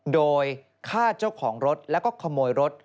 โดยฆ่าเจ้าของรถแล้วก็ขโมยรถ